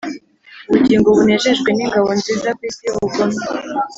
ubugingo bunejejwe ningabo nziza kwisi yubugome.